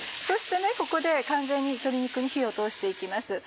そしてここで完全に鶏肉に火を通して行きます。